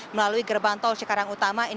melalui gerbang tol cikarang utama